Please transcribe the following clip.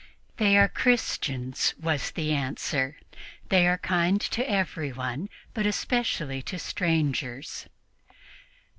"They are Christians," was the answer. "They are kind to everyone, but especially to strangers."